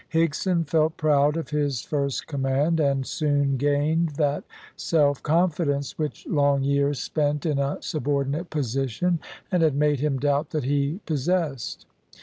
Higson felt proud of his first command, and soon gained that self confidence which long years spent in a subordinate position had made him doubt that he possessed.